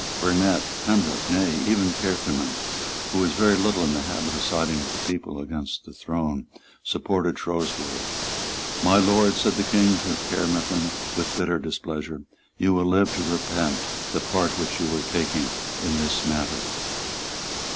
Burnet, Pembroke, nay, even Caermarthen, who was very little in the habit of siding with the people against the throne, supported Shrewsbury. "My Lord," said the King to Caermarthen, with bitter displeasure, "you will live to repent the part which you are taking in this matter."